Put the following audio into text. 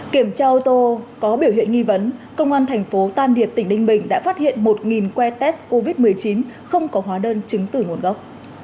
kiểm tra ô tô có biểu hiện nghi vấn công an thành phố tam điệp tỉnh ninh bình đã phát hiện một que test covid một mươi chín không có hóa đơn chứng tử nguồn gốc